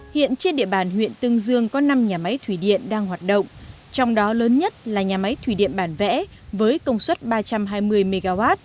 hiện trên địa bàn huyện tương dương có năm nhà máy thủy điện đang hoạt động trong đó lớn nhất là nhà máy thủy điện bản vẽ với công suất ba trăm hai mươi mw